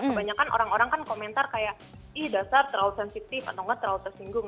kebanyakan orang orang kan komentar kayak ih dasar terlalu sensitif atau nggak terlalu tersinggung